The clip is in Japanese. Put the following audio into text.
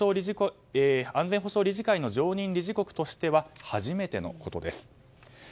安全保障理事会の常任理事国としては初めてのことです。